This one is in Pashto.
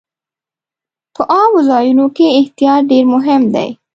په عامو ځایونو کې احتیاط ډېر مهم دی.